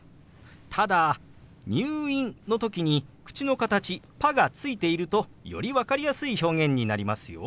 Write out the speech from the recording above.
ただ「入院」の時に口の形「パ」がついているとより分かりやすい表現になりますよ。